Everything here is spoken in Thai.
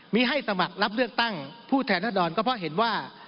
มีให้สมัครรับเลือกตั้งผู้แทนรัศดรก็เพราะเห็นว่า